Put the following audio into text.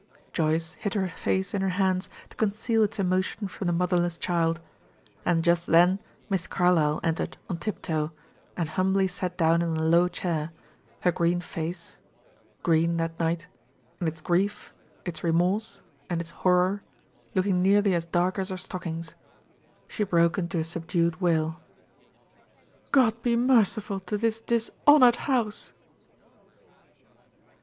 Joyce hid her face in her hands to conceal its emotion from the motherless child. And just then Miss Carlyle entered on tiptoe, and humbly sat down on a low chair, her green face green that night in its grief, its remorse, and its horror, looking nearly as dark as her stockings. She broke into a subdued wail. "God be merciful to this dishonored house!"